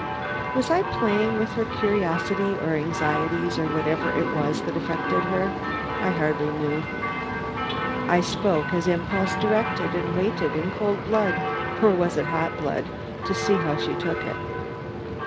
Was I playing with her curiosity or anxieties or whatever it was that affected her? I hardly knew; I spoke as impulse directed and waited in cold blood or was it hot blood? to see how she took it.